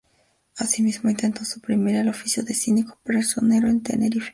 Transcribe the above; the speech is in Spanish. Asimismo, intentó suprimir el oficio de síndico personero en Tenerife.